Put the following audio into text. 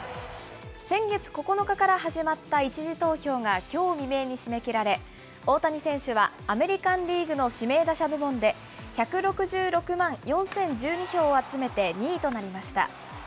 先月９日から始まった１次投票がきょう未明に締め切られ、大谷選手はアメリカンリーグの指名打者部門で、１６６万４０１２票を集めて２位となりました。